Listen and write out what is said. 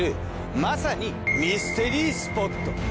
まさにミステリースポット。